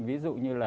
ví dụ như là